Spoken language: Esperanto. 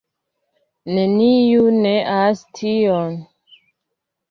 Neniu neas tion.